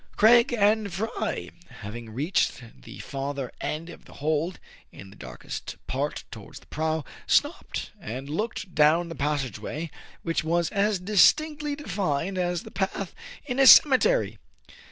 Craig and Fry, having reached the farther end of the hold, in the darkest part towards the prow, stopped, and looked down the passage way, which was as distinctly defined as the path in a ceme tery.